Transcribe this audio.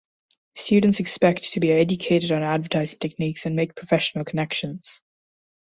Students expect to be educated on advertising techniques and make professional connections.